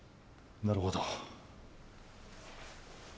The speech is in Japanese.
なるほど。